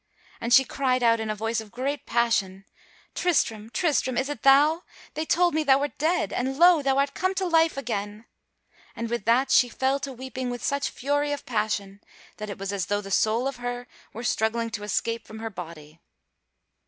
And she cried out in a voice of great passion: "Tristram! Tristram! Is it thou? They told me thou wert dead, and lo! thou art come to life again!" And with that she fell to weeping with such fury of passion that it was as though the soul of her were struggling to escape from her body.